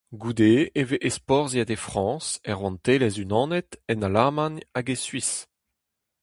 Goude e vez ezporzhiet e Frañs, er Rouantelezh-Unanet, en Alamagn hag e Suis.